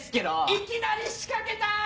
いきなり仕掛けた！